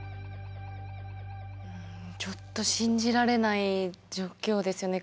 ちょっと信じられない状況ですよね。